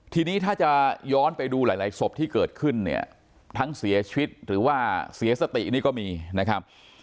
ทีนี้ถ้าจะย้อนไปดูหลายศพที่เกิดขึ้นเนี่ยทั้งเสียชีวิตหรือว่าเสียสตินี่ก็มีนะครับ